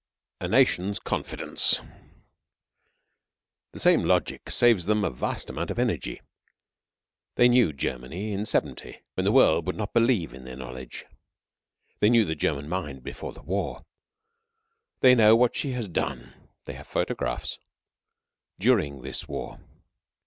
A NATION'S CONFIDENCE The same logic saves them a vast amount of energy. They knew Germany in '70, when the world would not believe in their knowledge; they knew the German mind before the war; they know what she has done (they have photographs) during this war.